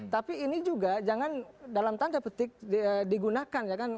tapi ini juga jangan dalam tanda petik digunakan ya kan